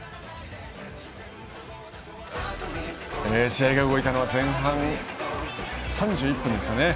試合が動いたのは前半３１分。